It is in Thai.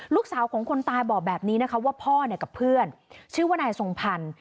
ลูกสาวของคนตายบอกแบบนี้นะคะว่าพ่อเนี่ยกับเพื่อนชื่อว่านายทรงพันธ์